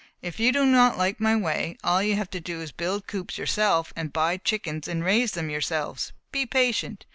If you do not like my way, all you have to do is to build coops yourselves and buy chickens and raise them yourselves. Be patient.